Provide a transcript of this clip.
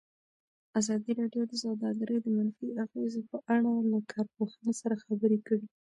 ازادي راډیو د سوداګري د منفي اغېزو په اړه له کارپوهانو سره خبرې کړي.